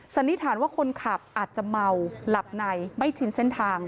สันนิษฐานว่าคนขับอาจจะเมาหลับในไม่ชินเส้นทาง